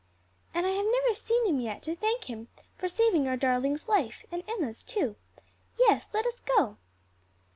"And I have never seen him yet to thank him for saving our darling's life; and Enna's too. Yes; let us go."